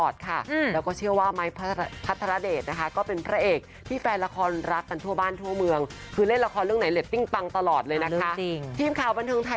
เดี๋ยวฉันก็ไลน์ถามเลยนะคะ